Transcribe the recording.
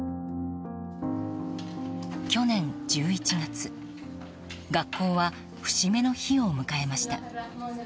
去年１１月学校は節目の日を迎えました。